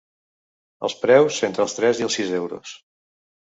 Els preus, entre els tres i el sis euros.